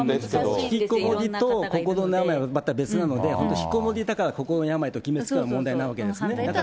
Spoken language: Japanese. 引きこもりと心の病はまた別なので、引きこもりだから心の病と決めつけるのは問題なわけですね。